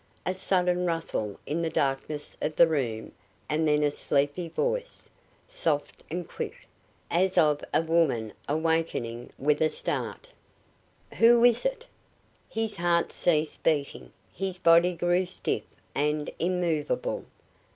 A sudden rustle in the darkness of the room and then a sleepy voice, soft and quick, as of a woman awakening with a start. "Who is it?" His heart ceased beating, his body grew stiff and immovable.